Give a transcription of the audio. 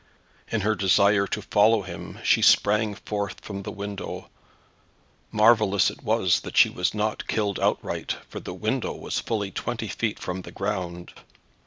In her desire to follow him she sprang forth from the window. Marvellous it was that she was not killed outright, for the window was fully twenty feet from the ground.